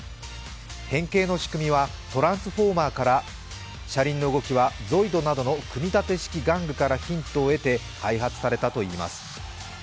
変形の仕組みは「トランスフォーマー」から車輪の動きはＺＯＩＤＳなどの組み立て式玩具からヒントを得て開発されたといいます。